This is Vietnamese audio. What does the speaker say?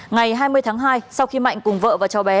ngày hai mươi tháng hai sau khi mạnh cùng vợ và cháu bé